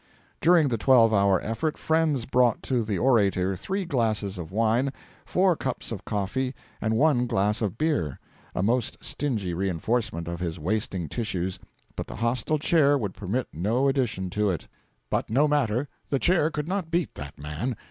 During the twelve hour effort friends brought to the orator three glasses of wine, four cups of coffee, and one glass of beer a most stingy re enforcement of his wasting tissues, but the hostile Chair would permit no addition to it. But, no matter, the Chair could not beat that man.